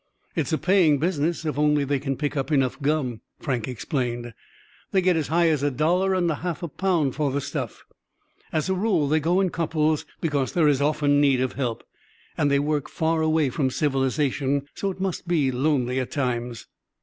"It's a paying business, if only they can pick up enough gum," Frank explained. "They get as high as a dollar and a half a pound for the stuff. As a rule they go in couples, because there is often need of help. And they work far away from civilization, so it must be lonely at times."